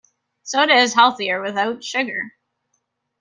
Soda is healthier without sugar.